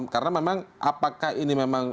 karena memang apakah ini memang